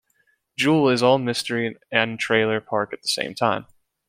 Jewel is all mystery and trailer park at the same time.